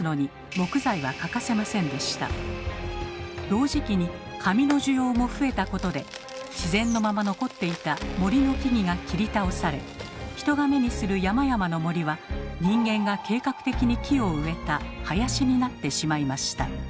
同時期に紙の需要も増えたことで自然のまま残っていた「森」の木々が切り倒され人が目にする山々の森は人間が計画的に木を植えた「林」になってしまいました。